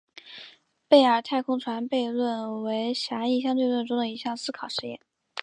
贝尔太空船悖论为狭义相对论中的一项思考实验。